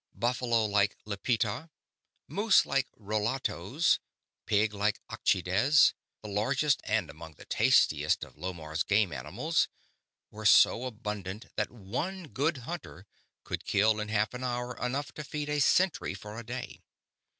Buffalo like lippita, moose like rolatoes, pig like accides the largest and among the tastiest of Lomarr's game animals were so abundant that one good hunter could kill in half an hour enough to feed a century for a day.